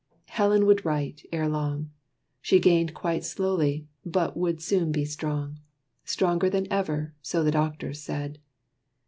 Helen would write, ere long: She gained quite slowly, but would soon be strong Stronger than ever, so the doctors said.